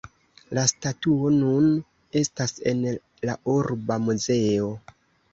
La statuo nun estas en la urba muzeo.